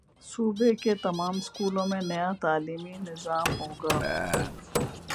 صوبے کے تمام سکولوں میں نیا تعلیمی نظام ہوگا